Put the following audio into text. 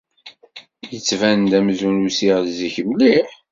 Yettban-d amzun usiɣ-d zik mliḥ.